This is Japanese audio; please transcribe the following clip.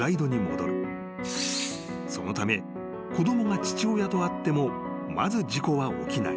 ［そのため子供が父親と会ってもまず事故は起きない。